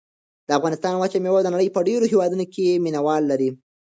د افغانستان وچه مېوه د نړۍ په ډېرو هېوادونو کې مینه وال لري.